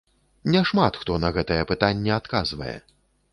Няшмат хто на гэтае пытанне адказвае.